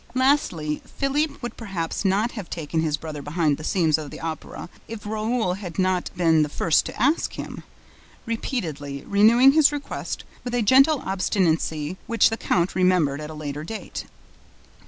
Lastly, Philippe would perhaps not have taken his brother behind the scenes of the Opera if Raoul had not been the first to ask him, repeatedly renewing his request with a gentle obstinacy which the count remembered at a later date.